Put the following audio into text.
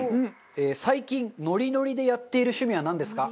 最近ノリノリでやっている趣味はなんですか？